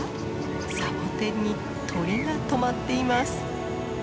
サボテンに鳥がとまっています。